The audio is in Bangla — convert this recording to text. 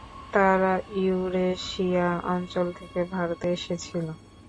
তারা ইউরেশিয়া অঞ্চল থেকে ভারতে এসেছিলো।